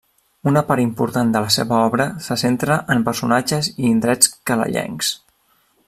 Una part important de la seva obra se centra en personatges i indrets calellencs.